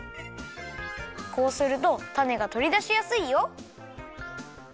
こうするとたねがとりだしやすいよ。